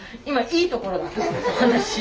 今いいところだ。